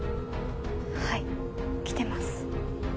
はい来てます。